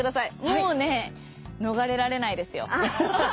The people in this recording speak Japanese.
もうね逃れられないですよ。